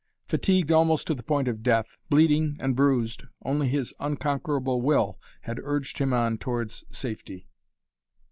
Fatigued almost to the point of death, bleeding and bruised, only his unconquerable will had urged him on towards safety.